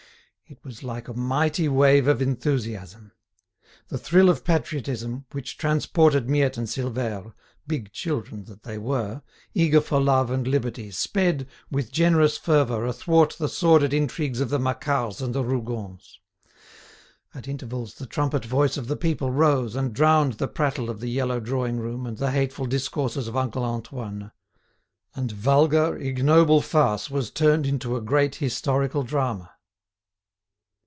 It was like a mighty wave of enthusiasm. The thrill of patriotism, which transported Miette and Silvère, big children that they were, eager for love and liberty, sped, with generous fervour, athwart the sordid intrigues of the Macquarts and the Rougons. At intervals the trumpet voice of the people rose and drowned the prattle of the yellow drawing room and the hateful discourses of uncle Antoine. And vulgar, ignoble farce was turned into a great historical drama.